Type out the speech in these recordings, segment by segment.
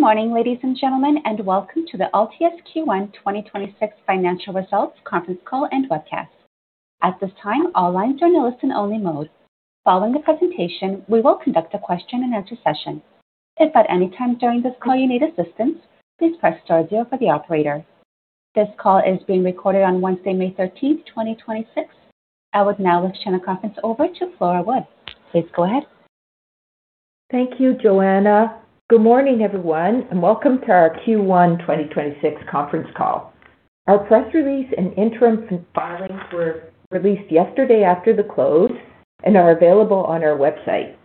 Good morning, ladies and gentlemen, and welcome to the Altius Q1 2026 financial results conference call and webcast. At this time, all lines are in a listen-only mode. Following the presentation, we will conduct a question-and-answer session. If at any time during this call you need assistance, please press star zero for the operator. This call is being recorded on Wednesday, May 13th, 2026. I would now like to turn the conference over to Flora Wood. Please go ahead. Thank you, Joanna. Good morning, everyone, and welcome to our Q1 2026 conference call. Our press release and interim filings were released yesterday after the close and are available on our website.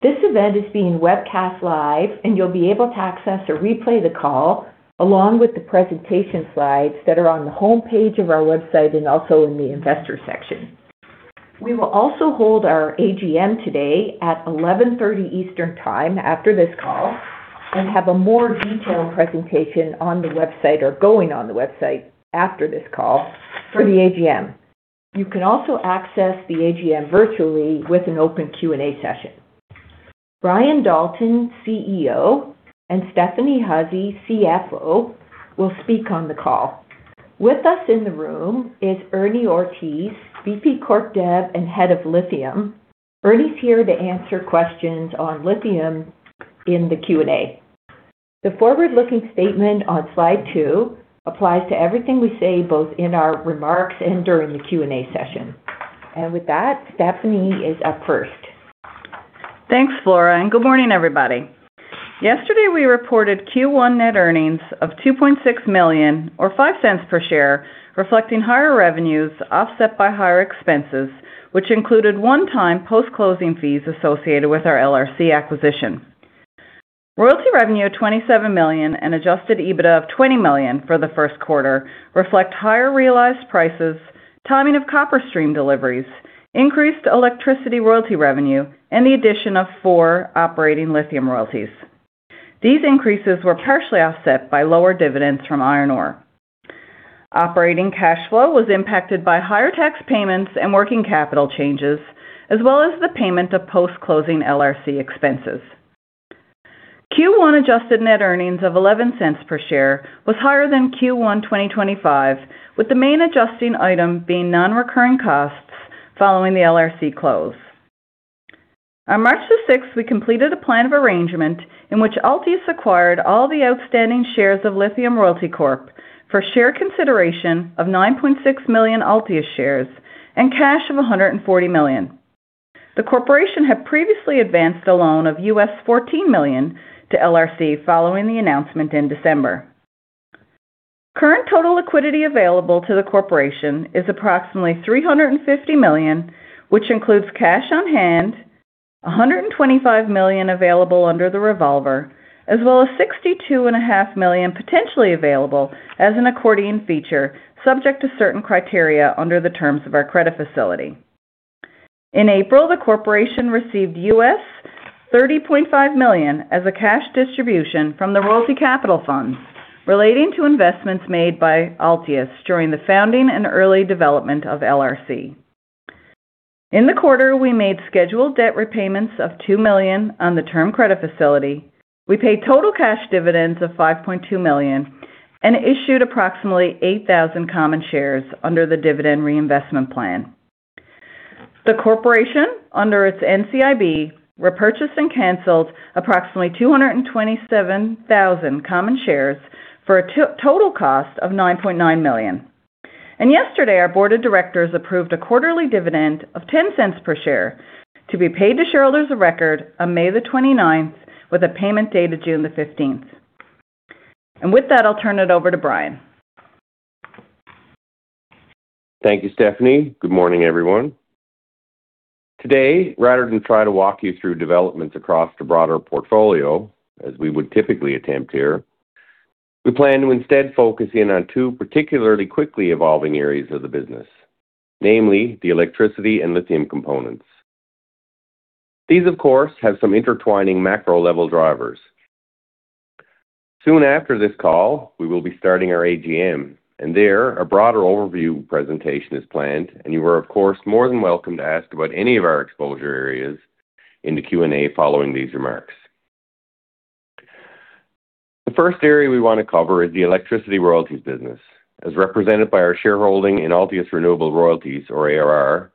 This event is being webcast live, and you'll be able to access or replay the call along with the presentation slides that are on the homepage of our website and also in the investor section. We will also hold our AGM today at 11:30 A.M. Eastern Time after this call and have a more detailed presentation on the website or going on the website after this call for the AGM. You can also access the AGM virtually with an open Q and A session. Brian Dalton, CEO, and Stephanie Hussey, CFO, will speak on the call. With us in the room is Ernie Ortiz, VP Corp Dev and Head of Lithium. Ernie's here to answer questions on lithium in the Q and A. The forward-looking statement on slide two applies to everything we say both in our remarks and during the Q and A session. With that, Stephanie is up first. Thanks, Flora. Good morning, everybody. Yesterday, we reported Q1 net earnings of 2.6 million or 0.05 per share, reflecting higher revenues offset by higher expenses, which included one-time post-closing fees associated with our LRC acquisition. Royalty revenue of 27 million and Adjusted EBITDA of 20 million for the first quarter reflect higher realized prices, timing of copper stream deliveries, increased electricity royalty revenue, and the addition of four operating lithium royalties. These increases were partially offset by lower dividends from iron ore. Operating cash flow was impacted by higher tax payments and working capital changes, as well as the payment of post-closing LRC expenses. Q1 adjusted net earnings of 0.11 per share was higher than Q1 2025, with the main adjusting item being non-recurring costs following the LRC close. On March 6, we completed a plan of arrangement in which Altius acquired all the outstanding shares of Lithium Royalty Corp. For share consideration of 9.6 million Altius shares and cash of 140 million. The corporation had previously advanced a loan of $14 million to LRC following the announcement in December. Current total liquidity available to the corporation is approximately 350 million, which includes cash on hand, 125 million available under the revolver, as well as 62.5 million potentially available as an accordion feature subject to certain criteria under the terms of our credit facility. In April, the corporation received $30.5 million as a cash distribution from the Royalty Capital Funds relating to investments made by Altius during the founding and early development of LRC. In the quarter, we made scheduled debt repayments of 2 million on the term credit facility. We paid total cash dividends of 5.2 million and issued approximately 8,000 common shares under the dividend reinvestment plan. The corporation, under its NCIB, repurchased and canceled approximately 227,000 common shares for a total cost of 9.9 million. Yesterday, our board of directors approved a quarterly dividend of 0.10 per share to be paid to shareholders of record on May 29th with a payment date of June 15th. With that, I'll turn it over to Brian. Thank you, Stephanie. Good morning, everyone. Today, rather than try to walk you through developments across the broader portfolio, as we would typically attempt here, we plan to instead focus in on two particularly quickly evolving areas of the business, namely the electricity and lithium components. These, of course, have some intertwining macro-level drivers. Soon after this call, we will be starting our AGM. There a broader overview presentation is planned. You are of course more than welcome to ask about any of our exposure areas in the Q and A following these remarks. The first area we want to cover is the electricity royalties business, as represented by our shareholding in Altius Renewable Royalties or ARR.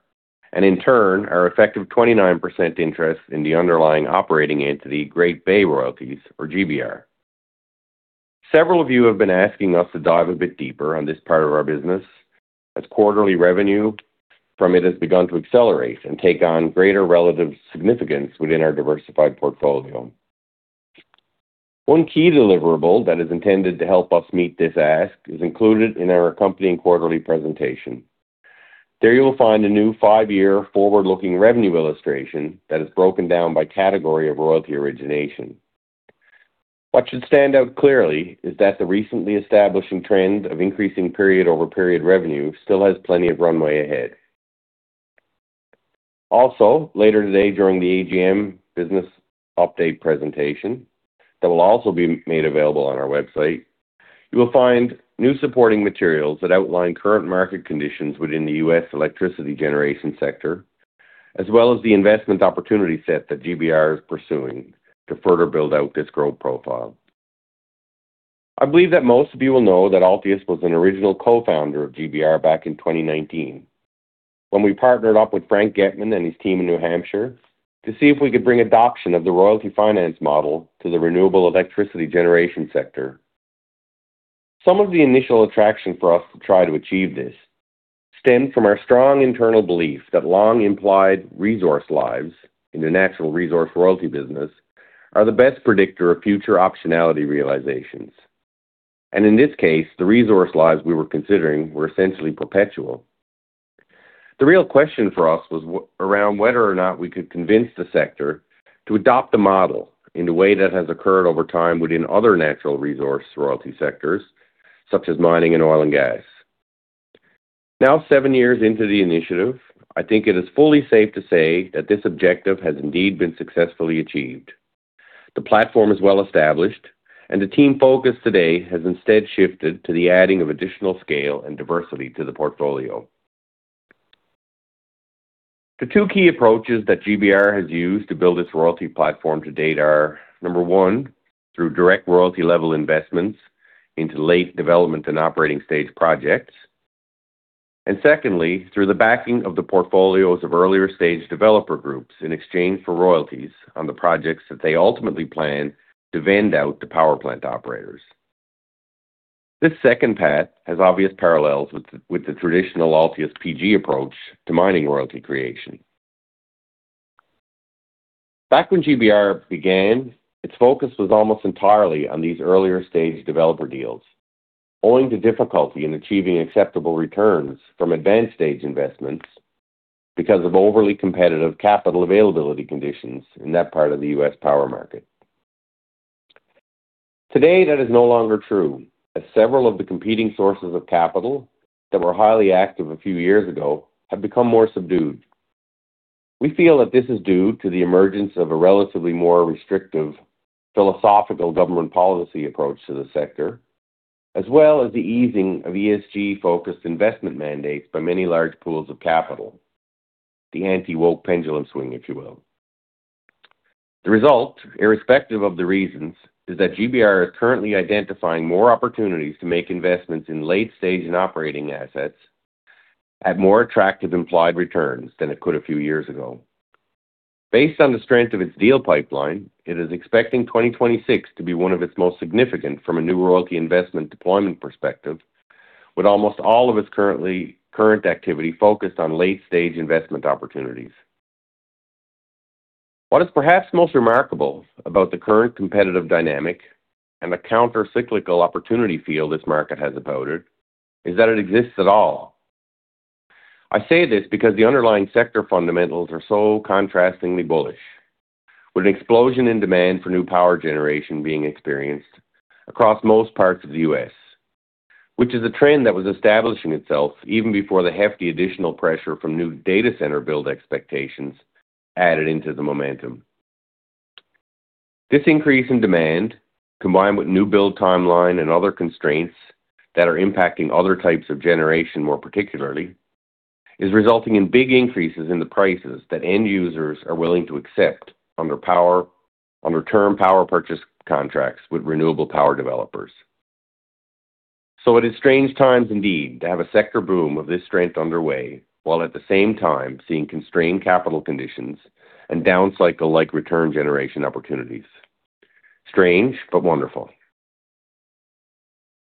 In turn, our effective 29% interest in the underlying operating entity, Great Bay Royalties or GBR. Several of you have been asking us to dive a bit deeper on this part of our business, as quarterly revenue from it has begun to accelerate and take on greater relative significance within our diversified portfolio. One key deliverable that is intended to help us meet this ask is included in our accompanying quarterly presentation. There you will find a new five year forward-looking revenue illustration that is broken down by category of royalty origination. What should stand out clearly is that the recently establishing trend of increasing period-over-period revenue still has plenty of runway ahead. Later today during the AGM business update presentation that will also be made available on our website, you will find new supporting materials that outline current market conditions within the U.S. electricity generation sector. As well as the investment opportunity set that GBR is pursuing to further build out this growth profile. I believe that most of you will know that Altius was an original co-founder of GBR back in 2019, when we partnered up with Frank Getman and his team in New Hampshire to see if we could bring adoption of the royalty finance model to the renewable electricity generation sector. Some of the initial attraction for us to try to achieve this stemmed from our strong internal belief that long implied resource lives in the natural resource royalty business are the best predictor of future optionality realizations. In this case, the resource lives we were considering were essentially perpetual. The real question for us was around whether or not we could convince the sector to adopt the model in the way that has occurred over time within other natural resource royalty sectors, such as mining and oil and gas. Now seven years into the initiative, I think it is fully safe to say that this objective has indeed been successfully achieved. The platform is well established, and the team focus today has instead shifted to the adding of additional scale and diversity to the portfolio. The two key approaches that GBR has used to build its royalty platform to date are, number one, through direct royalty level investments into late development and operating stage projects. Secondly, through the backing of the portfolios of earlier stage developer groups in exchange for royalties on the projects that they ultimately plan to vend out to power plant operators. This second path has obvious parallels with the traditional Altius PG approach to mining royalty creation. Back when GBR began, its focus was almost entirely on these earlier stage developer deals, owing to difficulty in achieving acceptable returns from advanced stage investments because of overly competitive capital availability conditions in that part of the U.S. power market. Today, that is no longer true, as several of the competing sources of capital that were highly active a few years ago have become more subdued. We feel that this is due to the emergence of a relatively more restrictive philosophical government policy approach to the sector, as well as the easing of ESG-focused investment mandates by many large pools of capital, the anti-woke pendulum swing, if you will. The result, irrespective of the reasons, is that GBR is currently identifying more opportunities to make investments in late stage and operating assets at more attractive implied returns than it could a few years ago. Based on the strength of its deal pipeline, it is expecting 2026 to be one of its most significant from a new royalty investment deployment perspective, with almost all of its current activity focused on late stage investment opportunities. What is perhaps most remarkable about the current competitive dynamic and the counter-cyclical opportunity field this market has about it is that it exists at all. I say this because the underlying sector fundamentals are so contrastingly bullish, with an explosion in demand for new power generation being experienced across most parts of the U.S., which is a trend that was establishing itself even before the hefty additional pressure from new data center build expectations added into the momentum. This increase in demand, combined with new build timeline and other constraints that are impacting other types of generation more particularly, is resulting in big increases in the prices that end users are willing to accept under term power purchase contracts with renewable power developers. It is strange times indeed to have a sector boom of this strength underway, while at the same time seeing constrained capital conditions and down cycle-like return generation opportunities. Strange, but wonderful.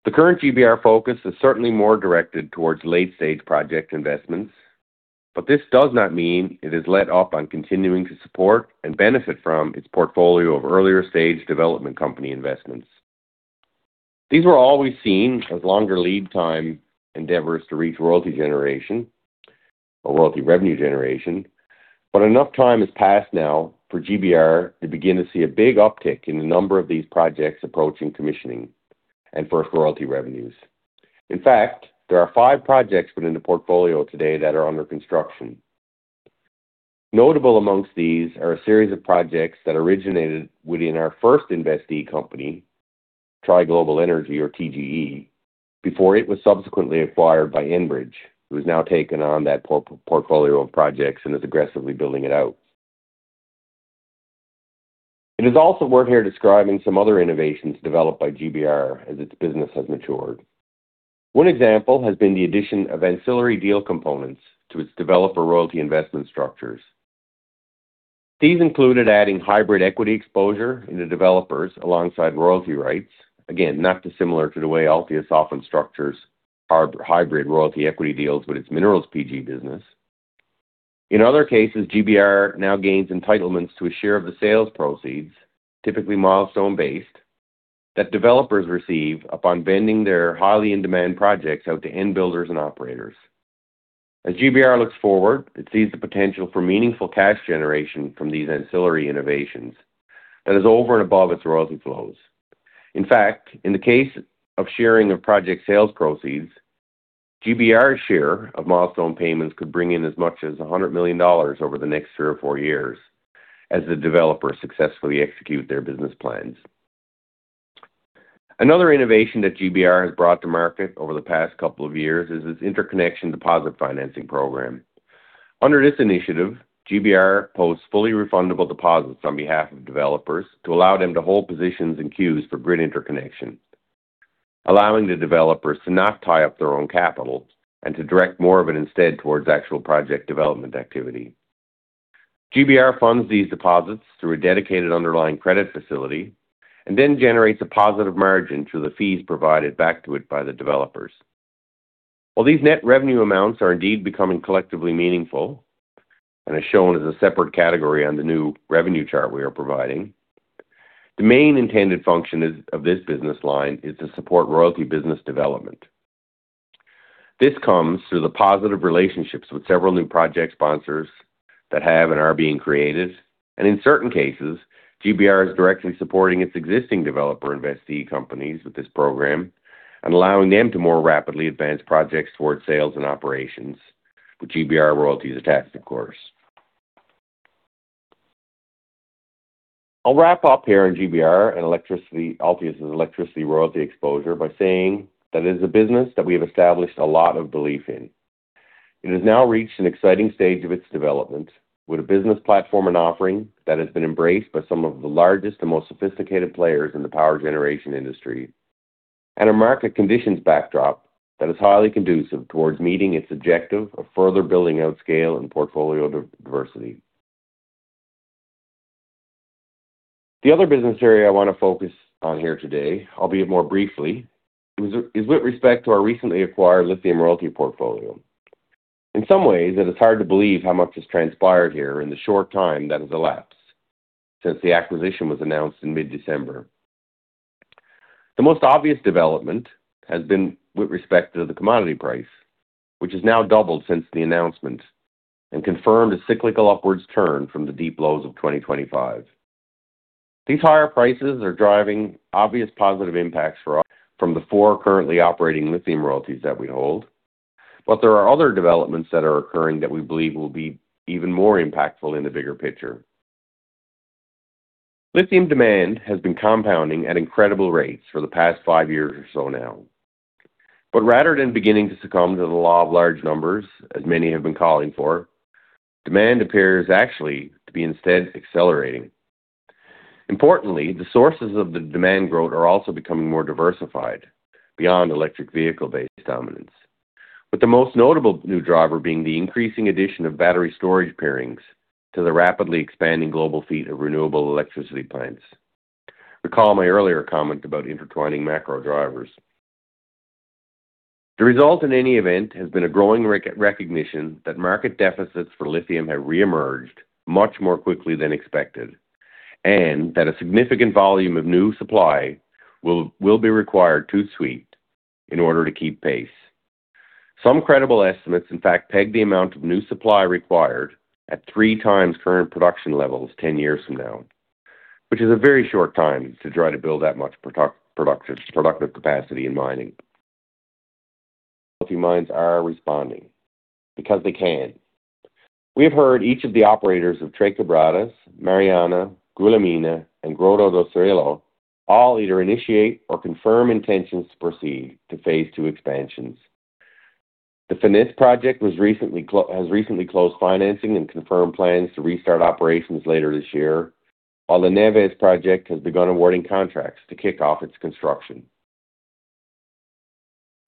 The current GBR focus is certainly more directed towards late-stage project investments, but this does not mean it has let up on continuing to support and benefit from its portfolio of earlier-stage development company investments. These were always seen as longer lead time endeavors to reach royalty generation or royalty revenue generation. Enough time has passed now for GBR to begin to see a big uptick in the number of these projects approaching commissioning and first royalty revenues. In fact, there are five projects within the portfolio today that are under construction. Notable amongst these are a series of projects that originated within our first investee company, Tri Global Energy or TGE, before it was subsequently acquired by Enbridge, who has now taken on that portfolio of projects and is aggressively building it out. It is also worth here describing some other innovations developed by GBR as its business has matured. One example has been the addition of ancillary deal components to its developer royalty investment structures. These included adding hybrid equity exposure into developers alongside royalty rights, again not dissimilar to the way Altius often structures hybrid royalty equity deals with its minerals PG business. In other cases, GBR now gains entitlements to a share of the sales proceeds, typically milestone-based, that developers receive upon vending their highly in-demand projects out to end builders and operators. As GBR looks forward, it sees the potential for meaningful cash generation from these ancillary innovations that is over and above its royalty flows. In fact, in the case of sharing of project sales proceeds, GBR's share of milestone payments could bring in as much as 100 million dollars over the next three or four years as the developers successfully execute their business plans. Another innovation that GBR has brought to market over the past couple of years is its Interconnection Deposit Financing Program. Under this initiative, GBR posts fully refundable deposits on behalf of developers to allow them to hold positions and queues for grid interconnection, allowing the developers to not tie up their own capital and to direct more of it instead towards actual project development activity. GBR funds these deposits through a dedicated underlying credit facility and then generates a positive margin through the fees provided back to it by the developers. While these net revenue amounts are indeed becoming collectively meaningful, and as shown as a separate category on the new revenue chart we are providing, the main intended function of this business line is to support royalty business development. This comes through the positive relationships with several new project sponsors that have and are being created. In certain cases, GBR is directly supporting its existing developer investee companies with this program and allowing them to more rapidly advance projects towards sales and operations, with GBR royalties attached, of course. I'll wrap up here on GBR and Altius' electricity royalty exposure by saying that it is a business that we have established a lot of belief in. It has now reached an exciting stage of its development with a business platform and offering that has been embraced by some of the largest and most sophisticated players in the power generation industry, and a market conditions backdrop that is highly conducive towards meeting its objective of further building out scale and portfolio diversity. The other business area I want to focus on here today, albeit more briefly, is with respect to our recently acquired Lithium Royalty portfolio. In some ways, it is hard to believe how much has transpired here in the short time that has elapsed since the acquisition was announced in mid-December. The most obvious development has been with respect to the commodity price, which has now doubled since the announcement and confirmed a cyclical upwards turn from the deep lows of 2025. These higher prices are driving obvious positive impacts for us from the four currently operating Lithium Royalties that we hold. There are other developments that are occurring that we believe will be even more impactful in the bigger picture. Lithium demand has been compounding at incredible rates for the past five years or so now. Rather than beginning to succumb to the law of large numbers, as many have been calling for, demand appears actually to be instead accelerating. Importantly, the sources of the demand growth are also becoming more diversified beyond electric vehicle-based dominance, with the most notable new driver being the increasing addition of battery storage pairings to the rapidly expanding global fleet of renewable electricity plants. Recall my earlier comment about intertwining macro drivers. The result, in any event, has been a growing recognition that market deficits for lithium have reemerged much more quickly than expected, and that a significant volume of new supply will be required to suit in order to keep pace. Some credible estimates, in fact, peg the amount of new supply required at 3 times current production levels 10 years from now, which is a very short time to try to build that much production, productive capacity in mining. Lithium mines are responding because they can. We have heard each of the operators of Tres Quebradas, Mariana, Goulamina, and Grota do Cirilo all either initiate or confirm intentions to proceed to phase II expansions. The Finniss project has recently closed financing and confirmed plans to restart operations later this year, while the Neves project has begun awarding contracts to kick off its construction.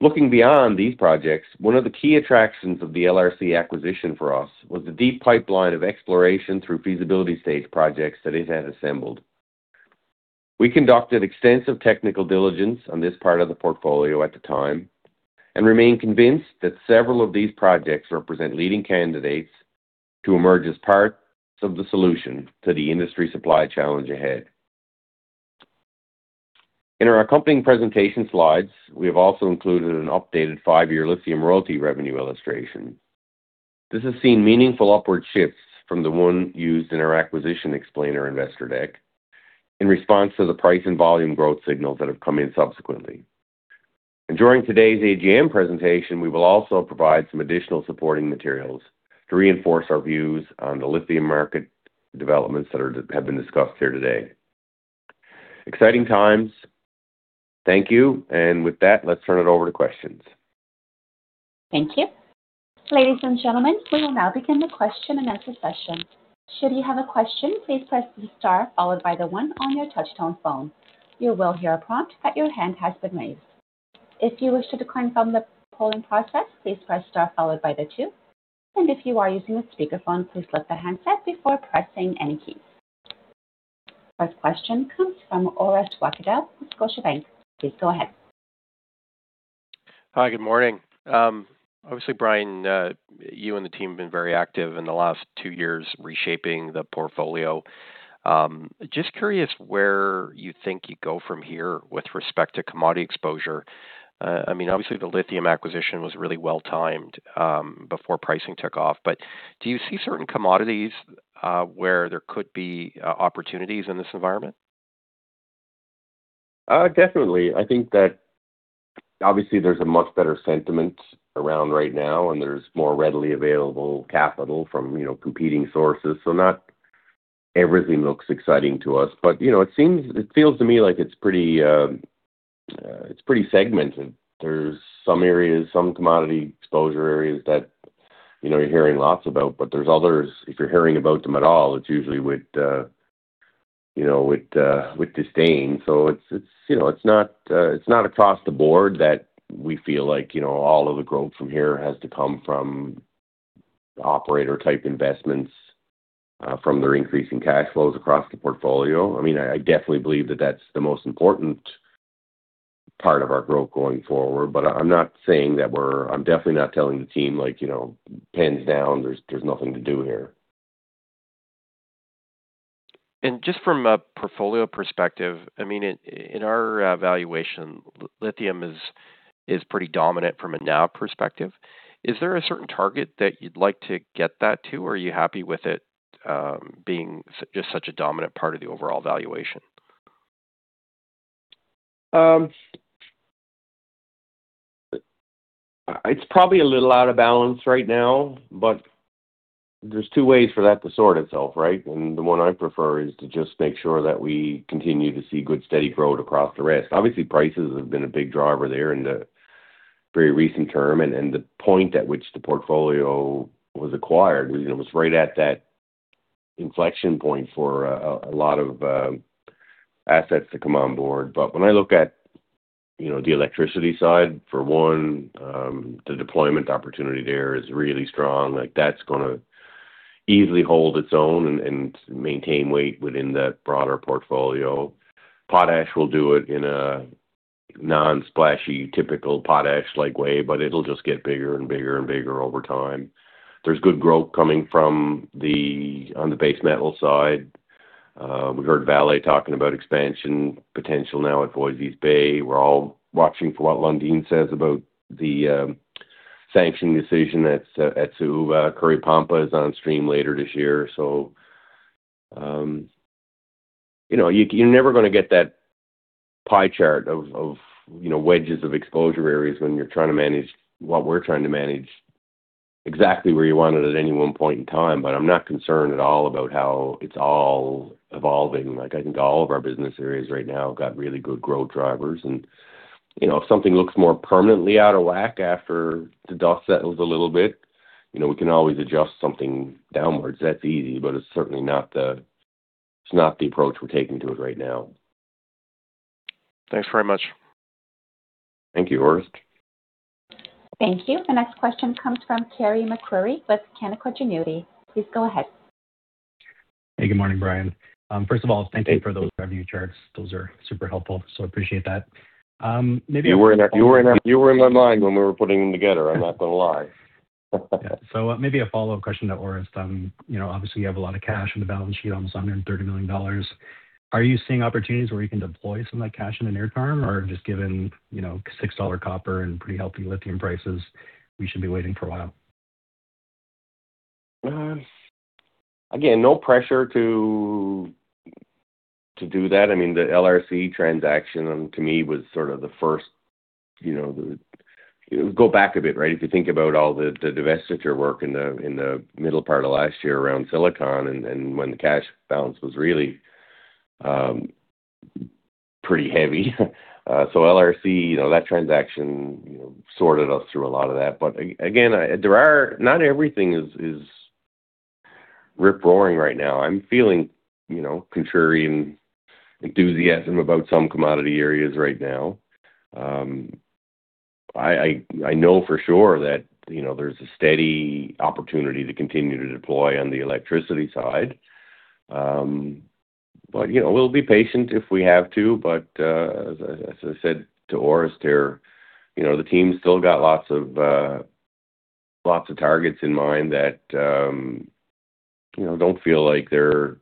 Looking beyond these projects, one of the key attractions of the LRC acquisition for us was the deep pipeline of exploration through feasibility stage projects that it had assembled. We conducted extensive technical diligence on this part of the portfolio at the time and remain convinced that several of these projects represent leading candidates to emerge as part of the solution to the industry supply challenge ahead. In our accompanying presentation slides, we have also included an updated five year Lithium Royalty revenue illustration. This has seen meaningful upward shifts from the one used in our acquisition explainer investor deck in response to the price and volume growth signals that have come in subsequently. During today's AGM presentation, we will also provide some additional supporting materials to reinforce our views on the lithium market developments that have been discussed here today. Exciting times. Thank you. With that, let's turn it over to questions. Thank you. Ladies and gentlemen, we will now begin the question-and-answer session. First question comes from Orest Wowkodaw with Scotiabank. Please go ahead. Hi, good morning. Obviously, Brian, you and the team have been very active in the last two years reshaping the portfolio. Just curious where you think you go from here with respect to commodity exposure. I mean, obviously the Lithium acquisition was really well timed before pricing took off. Do you see certain commodities where there could be opportunities in this environment? Definitely. I think that obviously, there's a much better sentiment around right now, and there's more readily available capital from, you know, competing sources. Not everything looks exciting to us, but, you know, it feels to me like it's pretty segmented. There's some areas, some commodity exposure areas that, you know, you're hearing lots about, but there's others, if you're hearing about them at all, it's usually with, you know, with disdain. It's, it's, you know, it's not across the board that we feel like, you know, all of the growth from here has to come from operator type investments from their increasing cash flows across the portfolio. I mean, I definitely believe that that's the most important part of our growth going forward, but I'm definitely not telling the team, like, you know, "Pens down, there's nothing to do here. Just from a portfolio perspective, I mean, in our valuation, lithium is pretty dominant from a now perspective. Is there a certain target that you'd like to get that to? Are you happy with it, just such a dominant part of the overall valuation? It's probably a little out of balance right now, but there's two ways for that to sort itself, right? The one I prefer is to just make sure that we continue to see good, steady growth across the rest. Obviously, prices have been a big driver there in the very recent term, and the point at which the portfolio was acquired was, you know, was right at that inflection point for a lot of assets to come on board. When I look at, you know, the electricity side, for one, the deployment opportunity there is really strong. Like, that's gonna easily hold its own and maintain weight within that broader portfolio. Potash will do it in a non-splashy, typical potash-like way, but it'll just get bigger and bigger and bigger over time. There's good growth coming on the base metal side. We heard Vale talking about expansion potential now at Voisey's Bay. We're all watching for what Lundin says about the sanction decision at Saúva. Curipamba is on stream later this year. You know, you're never gonna get that pie chart of, you know, wedges of exposure areas when you're trying to manage what we're trying to manage exactly where you want it at any one point in time. I'm not concerned at all about how it's all evolving. Like, I think all of our business areas right now have got really good growth drivers. You know, if something looks more permanently out of whack after the dust settles a little bit, you know, we can always adjust something downwards. That's easy, but it's certainly not the approach we're taking to it right now. Thanks very much. Thank you, Orest. Thank you. The next question comes from Carey MacRury with Canaccord Genuity. Please go ahead. Hey, good morning, Brian. First of all, thank you for those revenue charts. Those are super helpful, so appreciate that. You were in my mind when we were putting them together, I'm not gonna lie. Yeah. Maybe a follow-up question to Orest. You know, obviously, you have a lot of cash on the balance sheet, almost 130 million dollars. Are you seeing opportunities where you can deploy some of that cash in the near term? Or just given, you know, 6 dollar copper and pretty healthy lithium prices, we should be waiting for a while? Again, no pressure to do that. I mean, the LRC transaction, to me was sort of the first, you know, go back a bit, right? If you think about all the divestiture work in the middle part of last year around Silicon and when the cash balance was really pretty heavy. LRC, you know, that transaction, you know, sorted us through a lot of that. Again, not everything is rip-roaring right now. I'm feeling, you know, contrarian enthusiasm about some commodity areas right now. I know for sure that, you know, there's a steady opportunity to continue to deploy on the electricity side. You know, we'll be patient if we have to. As I said to Orest here, you know, the team's still got lots of, lots of targets in mind that, you know, don't feel like they're,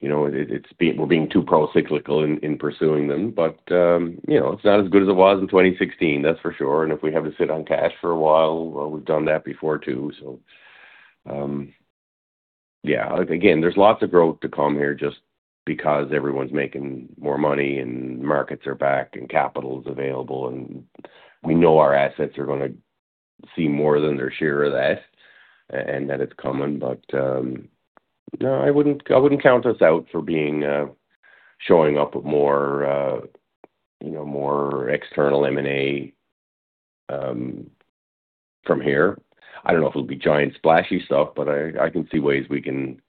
you know, we're being too procyclical in pursuing them. You know, it's not as good as it was in 2016, that's for sure. If we have to sit on cash for a while, well, we've done that before too. Again, there's lots of growth to come here just because everyone's making more money and markets are back and capital is available, and we know our assets are gonna see more than their share of that, and that it's coming. No, I wouldn't, I wouldn't count us out for being, showing up with more, you know, more external M&A from here. I don't know if it'll be giant splashy stuff, but I can see ways we can,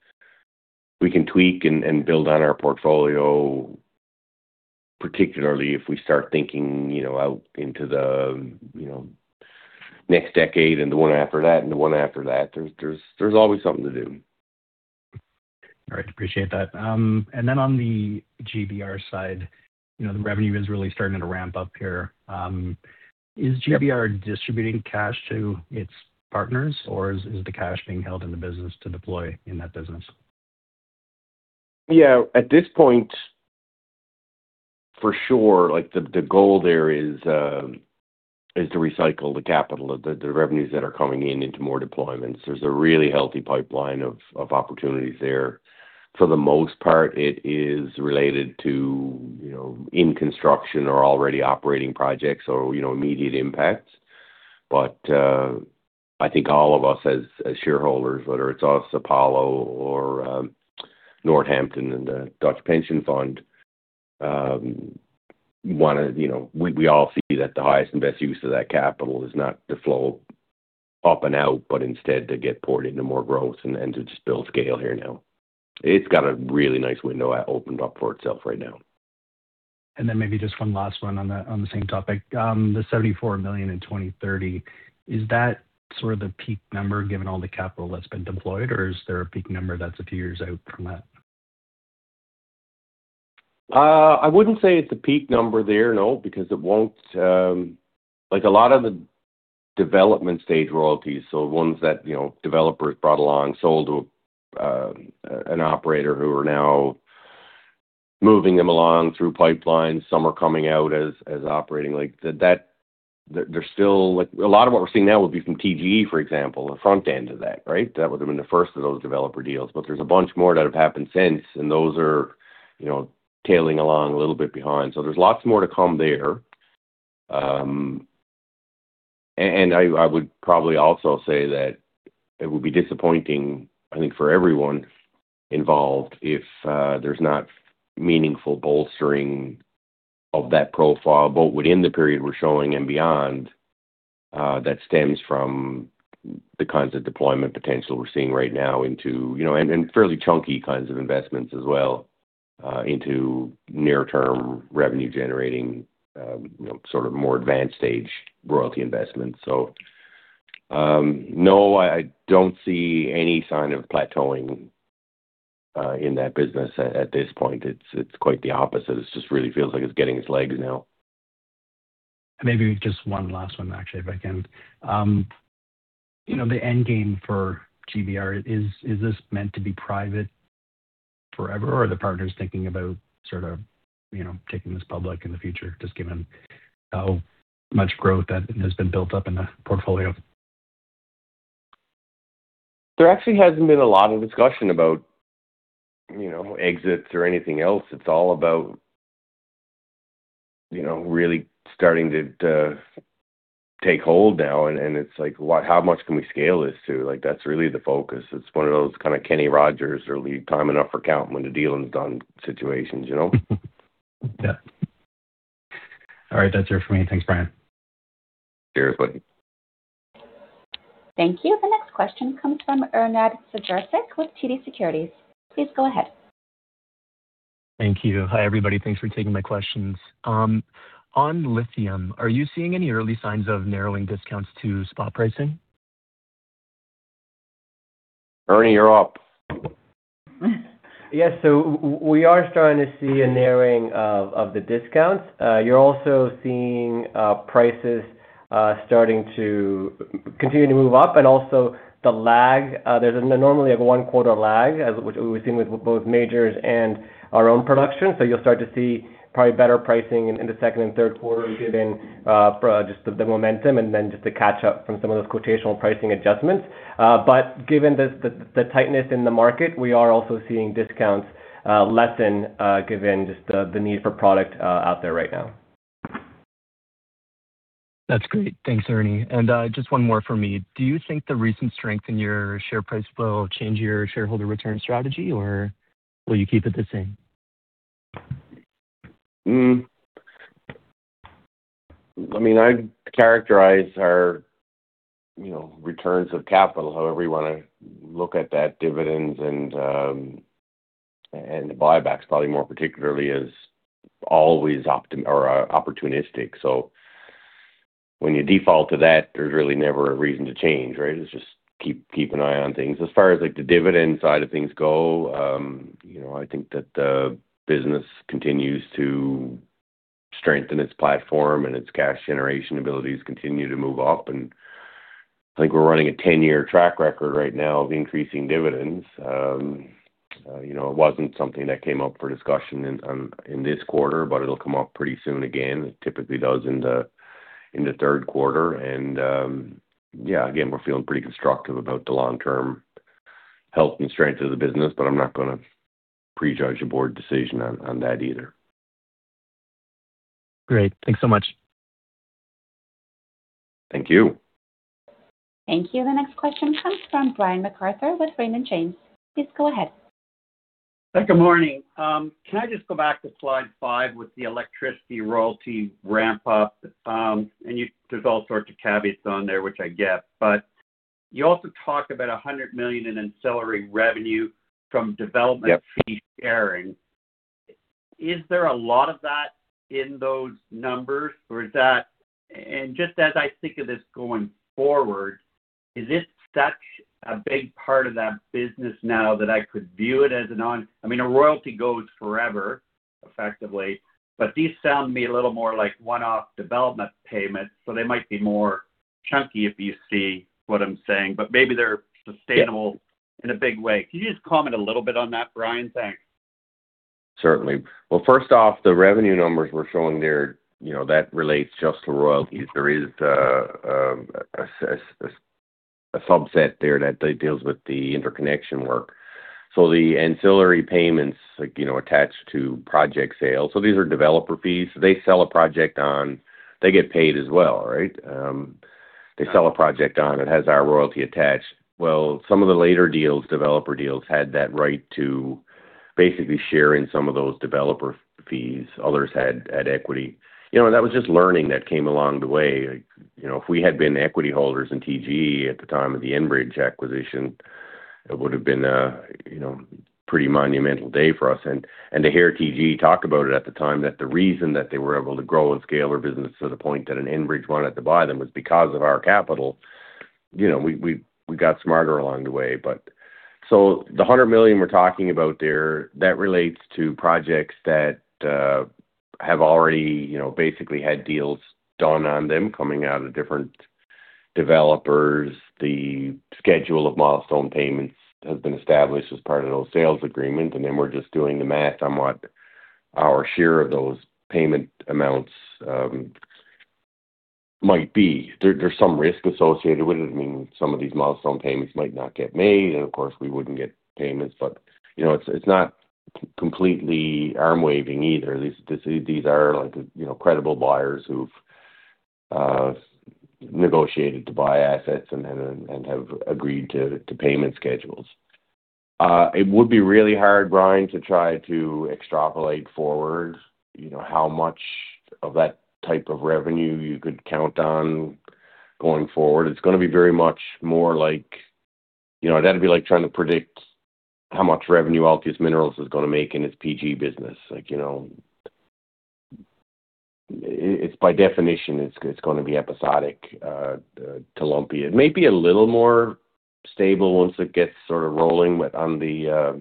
we can tweak and build on our portfolio, particularly if we start thinking, you know, out into the, you know, next decade and the one after that and the one after that. There's always something to do. All right. Appreciate that. On the GBR side, the revenue is really starting to ramp up here. Is GBR distributing cash to its partners, or is the cash being held in the business to deploy in that business? Yeah. At this point, for sure, like, the goal there is to recycle the capital, the revenues that are coming in into more deployments. There's a really healthy pipeline of opportunities there. For the most part, it is related to, you know, in construction or already operating projects or, you know, immediate impacts. I think all of us as shareholders, whether it's us, Apollo, or Northampton and the Dutch pension fund, wanna You know, we all see that the highest and best use of that capital is not to flow up and out, but instead to get poured into more growth and then to just build scale here now. It's got a really nice window opened up for itself right now. Maybe just one last one on that, on the same topic. The 74 million in 2030, is that sort of the peak number given all the capital that's been deployed, or is there a peak number that's a few years out from that? I wouldn't say it's a peak number there, no, because it won't. Like a lot of the development stage royalties, so ones that, you know, developers brought along, sold to an operator who are now moving them along through pipelines, some are coming out as operating. There's still a lot of what we're seeing now will be from TGE, for example, the front end of that, right? That would've been the 1st of those developer deals. There's a bunch more that have happened since, and those are, you know, tailing along a little bit behind. There's lots more to come there. I would probably also say that it would be disappointing, I think for everyone involved, if there's not meaningful bolstering of that profile, both within the period we're showing and beyond, that stems from the kinds of deployment potential we're seeing right now into, you know, and fairly chunky kinds of investments as well, into near-term revenue generating, you know, sort of more advanced stage royalty investments. No, I don't see any sign of plateauing in that business at this point. It's quite the opposite. It just really feels like it's getting its legs now. Maybe just one last one actually, if I can. You know, the end game for GBR, is this meant to be private forever, or are the partners thinking about sort of, you know, taking this public in the future, just given how much growth that has been built up in the portfolio? There actually hasn't been a lot of discussion about, you know, exits or anything else. It's all about, you know, really starting to take hold now, and it's like, how much can we scale this to? That's really the focus. It's one of those kind of Kenny Rogers early time enough for count when the dealing's done situations, you know? Yeah. All right, that's it for me. Thanks, Brian. Cheers, buddy. Thank you. The next question comes from Ernad Sijercic with TD Securities. Please go ahead. Thank you. Hi, everybody. Thanks for taking my questions. On lithium, are you seeing any early signs of narrowing discounts to spot pricing? Ernie, you're up. Yes. We are starting to see a narrowing of the discounts. You're also seeing prices starting to continue to move up and also the lag. There's normally like a one quarter lag as we've seen with both majors and our own production. You'll start to see probably better pricing in the second and third quarter given for just the momentum and then just the catch up from some of those quotational pricing adjustments. Given the tightness in the market, we are also seeing discounts lessen given just the need for product out there right now. That's great. Thanks, Ernie. Just one more from me. Do you think the recent strength in your share price will change your shareholder return strategy, or will you keep it the same? I mean, I'd characterize our, you know, returns of capital, however you wanna look at that, dividends and the buybacks probably more particularly as always opportunistic. When you default to that, there's really never a reason to change, right? It's just keep an eye on things. As far as like the dividend side of things go, you know, I think that the business continues to strengthen its platform and its cash generation abilities continue to move up. I think we're running a 10-year track record right now of increasing dividends. You know, it wasn't something that came up for discussion in this quarter, but it'll come up pretty soon again. It typically does in the third quarter. Yeah, again, we're feeling pretty constructive about the long-term health and strength of the business, but I'm not gonna prejudge a board decision on that either. Great. Thanks so much. Thank you. Thank you. The next question comes from Brian MacArthur with Raymond James. Please go ahead. Good morning. Can I just go back to slide five with the electricity royalty ramp up? There's all sorts of caveats on there, which I get, but you also talk about 100 million in ancillary revenue from development- Yep Fee sharing. Is there a lot of that in those numbers, or is that? Just as I think of this going forward, is this such a big part of that business now that I could view it as I mean, a royalty goes forever, effectively, but these sound to me a little more like one-off development payments, so they might be more chunky, if you see what I'm saying. Maybe they're sustainable. Yeah In a big way. Can you just comment a little bit on that, Brian? Thanks. Certainly. First off, the revenue numbers we're showing there, you know, that relates just to royalties. There is a subset there that deals with the interconnection work. The ancillary payments, like, you know, attached to project sales. These are developer fees. They sell a project on, they get paid as well, right? They sell a project on, it has our royalty attached. Some of the later deals, developer deals, had that right to basically share in some of those developer fees. Others had equity. You know, that was just learning that came along the way. Like, you know, if we had been equity holders in TGE at the time of the Enbridge acquisition, it would've been a, you know, pretty monumental day for us. To hear TGE talk about it at the time that the reason that they were able to grow and scale their business to the point that an Enbridge wanted to buy them was because of our capital. You know, we got smarter along the way. The 100 million we're talking about there, that relates to projects that have already, you know, basically had deals done on them coming out of different developers. The schedule of milestone payments has been established as part of those sales agreement, and then we're just doing the math on what our share of those payment amounts might be. There's some risk associated with it. I mean, some of these milestone payments might not get made, and of course, we wouldn't get payments. You know, it's not completely arm waving either. These are like, you know, credible buyers who've negotiated to buy assets and have agreed to payment schedules. It would be really hard, Brian, to try to extrapolate forward, you know, how much of that type of revenue you could count on going forward. It's gonna be very much more like, you know, that'd be like trying to predict how much revenue Altius Minerals is gonna make in its PG business. Like, you know, it's by definition, it's gonna be episodic to lump. It may be a little more stable once it gets sort of rolling with, on the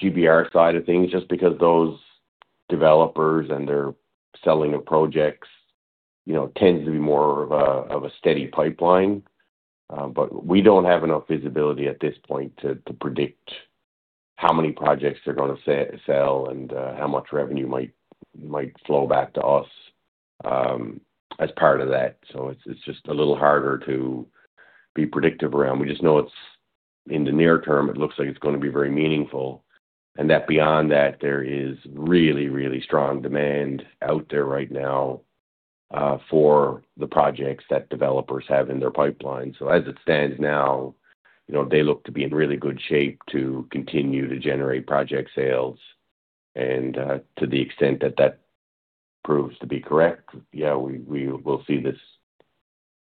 GBR side of things, just because those developers and their selling of projects, you know, tends to be more of a steady pipeline. We don't have enough visibility at this point to predict how many projects they're gonna sell and how much revenue might flow back to us as part of that. It's just a little harder to be predictive around. We just know it's, in the near term, it looks like it's gonna be very meaningful, and that beyond that, there is really strong demand out there right now for the projects that developers have in their pipeline. As it stands now, you know, they look to be in really good shape to continue to generate project sales, and to the extent that that proves to be correct, yeah, we will see this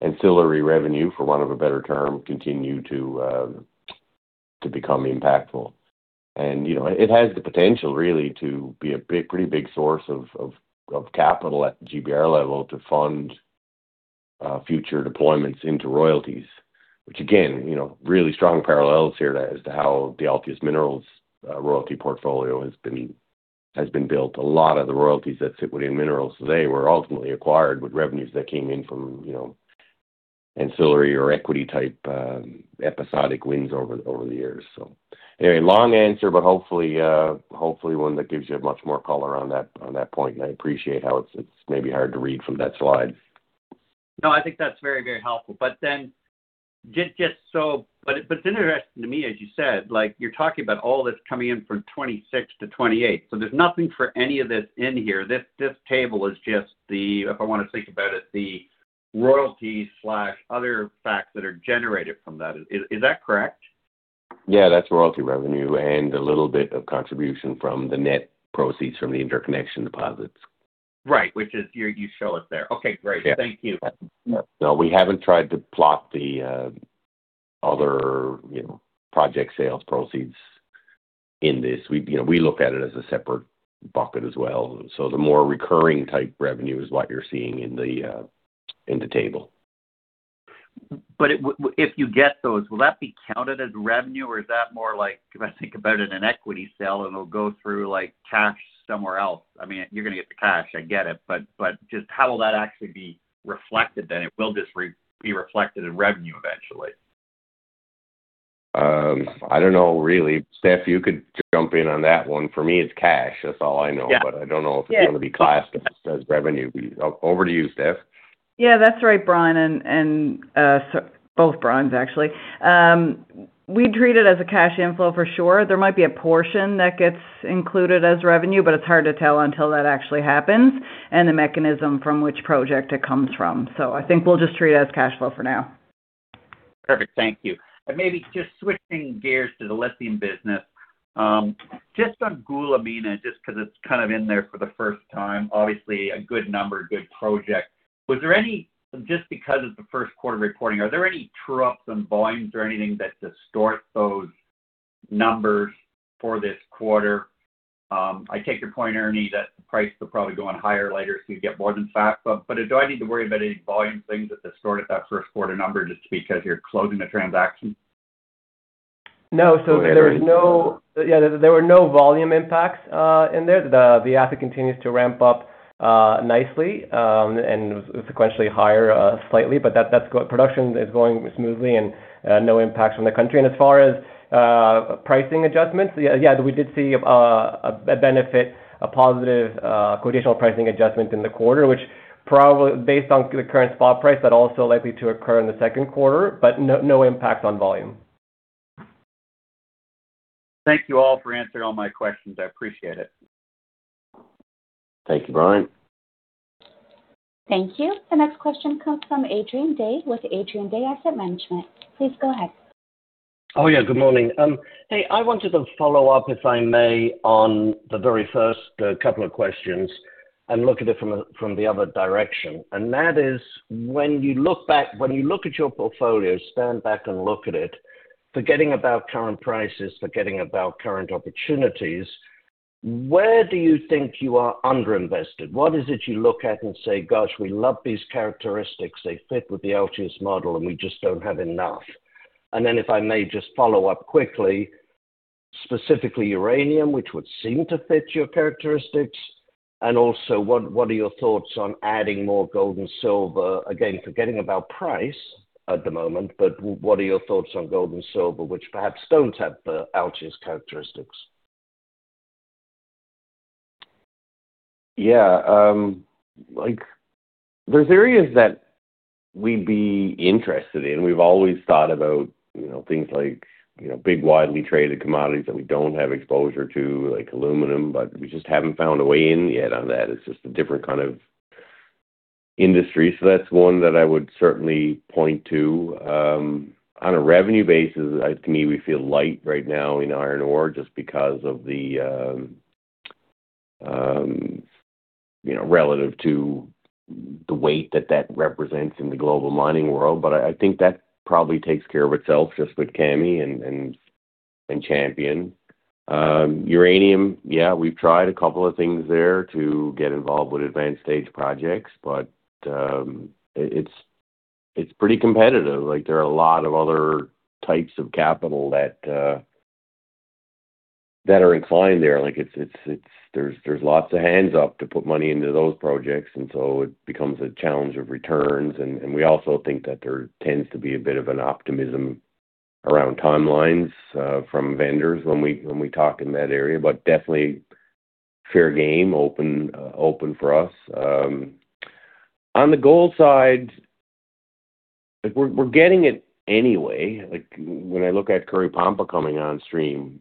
ancillary revenue, for want of a better term, continue to become impactful. You know, it has the potential really to be a big, pretty big source of capital at GBR level to fund future deployments into royalties, which again, you know, really strong parallels here to as to how the Altius Minerals royalty portfolio has been built. A lot of the royalties that sit within Altius Minerals today were ultimately acquired with revenues that came in from, you know, ancillary or equity type, episodic wins over the years. Anyway, long answer, but hopefully one that gives you much more color on that point. I appreciate how it's maybe hard to read from that slide. I think that's very, very helpful. Just so, but it's interesting to me, as you said, like you're talking about all that's coming in from 2026 to 2028. There's nothing for any of this in here. This table is just the, if I want to think about it, the royalty/other facts that are generated from that. Is that correct? Yeah, that's royalty revenue and a little bit of contribution from the net proceeds from the interconnection deposits. Right. Which is you show it there. Okay, great. Yeah. Thank you. No, we haven't tried to plot the other, you know, project sales proceeds in this. We, you know, we look at it as a separate bucket as well. The more recurring type revenue is what you're seeing in the table. If you get those, will that be counted as revenue or is that more like, if I think about it, an equity sale and it'll go through like cash somewhere else? I mean, you're gonna get the cash, I get it, but just how will that actually be reflected then? It will just be reflected in revenue eventually. I don't know really. Stephanie, you could jump in on that one. For me, it's cash. That's all I know. Yeah. I don't know if it's gonna be classed as revenue. Over to you, Stephanie. Yeah, that's right, Brian, and both Brians actually. We treat it as a cash inflow for sure. There might be a portion that gets included as revenue, but it's hard to tell until that actually happens and the mechanism from which project it comes from. I think we'll just treat it as cash flow for now. Perfect. Thank you. Maybe just switching gears to the lithium business. Just on Goulamina, just 'cause it's kind of in there for the first time, obviously a good number, good project. Was there any, just because it's the first quarter reporting, are there any true-ups in volumes or anything that distort those numbers for this quarter? I take your point, Ernie, that the price will probably go on higher later, so you get more than that. Do I need to worry about any volume things that distorted that first quarter number just because you're closing the transaction? No. Yeah, there were no volume impacts in there. The asset continues to ramp up nicely and sequentially higher slightly, but production is going smoothly and no impacts from the country. As far as pricing adjustments, yeah, we did see a benefit, a positive quotational pricing adjustment in the quarter, probably based on the current spot price, that also likely to occur in the second quarter, but no impact on volume. Thank you all for answering all my questions. I appreciate it. Thank you, Brian. Thank you. The next question comes from Adrian Day with Adrian Day Asset Management. Please go ahead. Good morning. Hey, I wanted to follow up, if I may, on the very first couple of questions and look at it from the other direction. That is when you look at your portfolio, stand back and look at it, forgetting about current prices, forgetting about current opportunities, where do you think you are underinvested? What is it you look at and say, "Gosh, we love these characteristics. They fit with the Altius model, and we just don't have enough." Then if I may just follow up quickly, specifically uranium, which would seem to fit your characteristics, also what are your thoughts on adding more gold and silver? Again, forgetting about price at the moment, but what are your thoughts on gold and silver, which perhaps don't have the Altius characteristics? Like there's areas that we'd be interested in. We've always thought about, you know, things like, you know, big, widely traded commodities that we don't have exposure to, like aluminum, but we just haven't found a way in yet on that. It's just a different kind of industry. That's one that I would certainly point to. On a revenue basis, to me, we feel light right now in iron ore just because of the, you know, relative to the weight that that represents in the global mining world. I think that probably takes care of itself just with Kami and, and Champion. Uranium, yeah, we've tried a couple of things there to get involved with advanced stage projects, but it's, it's pretty competitive. Like, there are a lot of other types of capital that are inclined there. There's lots of hands up to put money into those projects, it becomes a challenge of returns. We also think that there tends to be a bit of an optimism around timelines from vendors when we talk in that area. Definitely fair game, open for us. On the gold side, we're getting it anyway. Like when I look at Curipamba coming on stream.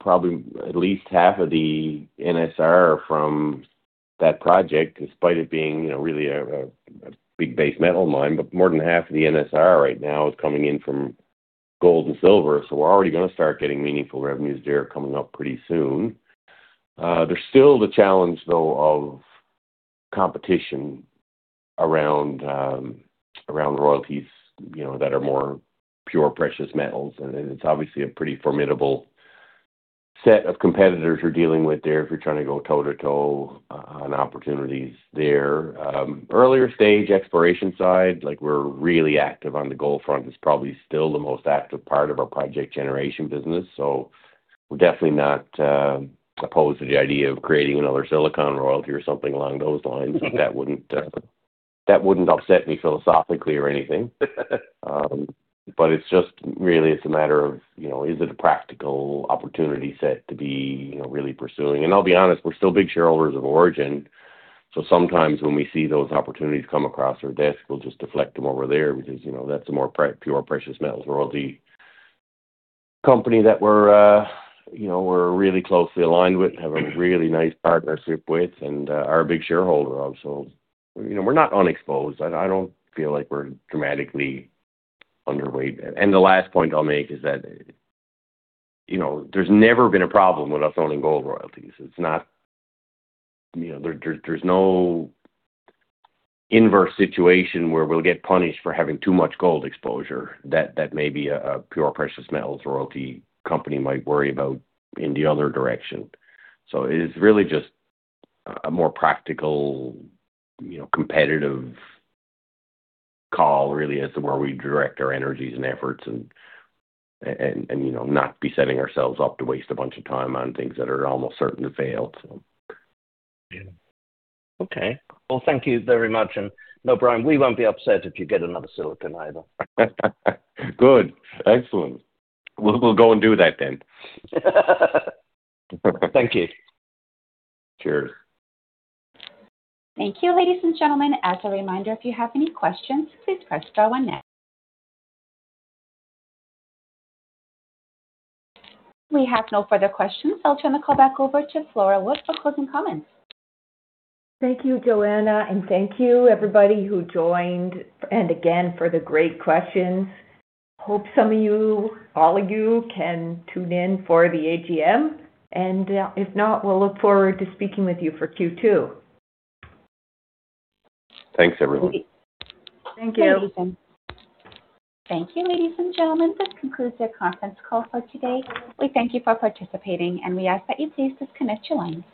Probably at least half of the NSR from that project, despite it being, you know, really a big base metal mine, but more than half of the NSR right now is coming in from gold and silver. We're already gonna start getting meaningful revenues there coming up pretty soon. There's still the challenge though of competition around royalties, you know, that are more pure, precious metals. It's obviously a pretty formidable set of competitors you're dealing with there if you're trying to go toe-to-toe on opportunities there. Earlier stage exploration side, like we're really active on the gold front. It's probably still the most active part of our project generation business, so we're definitely not opposed to the idea of creating another Silicon royalty or something along those lines. That wouldn't upset me philosophically or anything. It's just really, it's a matter of, you know, is it a practical opportunity set to be, you know, really pursuing? I'll be honest, we're still big shareholders of Orogen Royalties, so sometimes when we see those opportunities come across our desk, we'll just deflect them over there because, you know, that's a more pure, precious metals royalty company that we're, you know, we're really closely aligned with, have a really nice partnership with and are a big shareholder of. You know, we're not unexposed. I don't feel like we're dramatically underweight there. The last point I'll make is that, you know, there's never been a problem with us owning gold royalties. It's not, you know, there's no inverse situation where we'll get punished for having too much gold exposure that maybe a pure precious metals royalty company might worry about in the other direction. It is really just a more practical, you know, competitive call really as to where we direct our energies and efforts and, you know, not be setting ourselves up to waste a bunch of time on things that are almost certain to fail. Yeah. Okay. Well, thank you very much. No, Brian, we won't be upset if you get another Silicon either. Good. Excellent. We'll go and do that then. Thank you. Cheers. Thank you, ladies and gentlemen. As a reminder, if you have any questions, please press star one. We have no further question. I'll turn the call back over to Flora Wood for closing comments. Thank you, Joanna, and thank you everybody who joined, and again for the great questions. Hope some of you, all of you can tune in for the AGM. If not, we'll look forward to speaking with you for Q2. Thanks, everyone. Thank you. Thank you. Thank you, ladies and gentlemen. This concludes your conference call for today. We thank you for participating, and we ask that you please disconnect your lines.